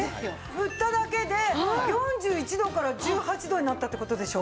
振っただけで４１度から１８度になったって事でしょ？